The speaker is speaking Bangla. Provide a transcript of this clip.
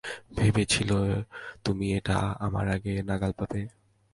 ভেবেছিলে তুমি এটা আমার আগে নাগাল পাবে?